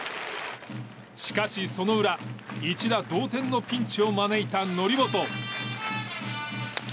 しかし、その裏一打同点のピンチを招いた則本。